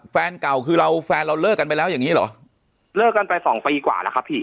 แฟนเก่าคือเราแฟนเราเลิกกันไปแล้วอย่างงี้เหรอเลิกกันไปสองปีกว่าแล้วครับพี่